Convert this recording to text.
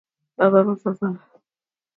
I mustn't miss that match.